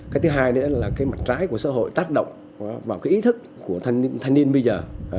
cái thứ hai nữa là cái mặt trái của xã hội tác động vào cái ý thức của thanh niên bây giờ